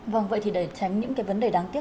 vâng vậy thì để tránh những cái vấn đề đáng tiếc